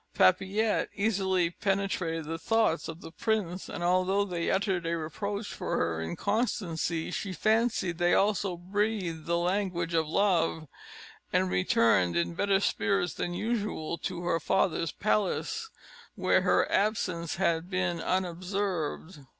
Papillette easily penetrated the thoughts of the prince, and although they uttered a reproach for her inconstancy, she fancied they also breathed the language of love; and returned in better spirits than usual to her father's palace, where her absence had been unobserved.